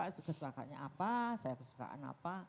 enggak sih bapak kesukaannya apa saya kesukaan apa